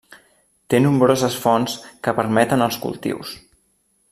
Té nombroses fonts que permeten els cultius.